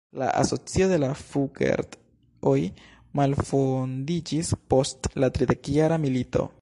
La asocio de la Fugger-oj malfondiĝis post la tridekjara milito.